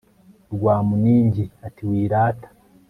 Rwamuningi ati Wirata